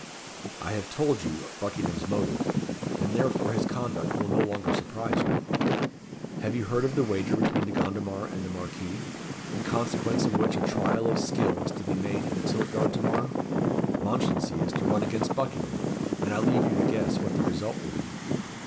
"I have told you Buckingham's motive, and therefore his conduct will no longer surprise you. Have you heard of the wager between De Gondomar and the Marquis, in consequence of which a trial of skill is to be made in the Tilt yard to morrow? Mounchensey is to run against Buckingham, and I leave you to guess what the result will be.